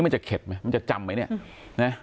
มันจะเข็ดไหมมันจะจำไหมเนี่ยนะ